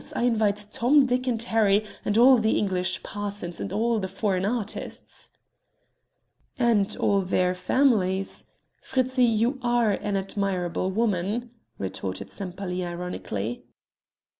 I invite Tom, Dick, and Harry, and all the English parsons and all the foreign artists." "And all their families. Fritzi, you are an admirable woman!" retorted Sempaly ironically.